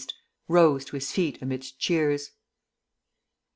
rose to his feet amidst cheers.